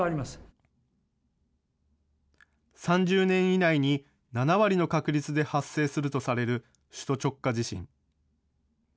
３０年以内に７割の確率で発生するとされる首都直下地震。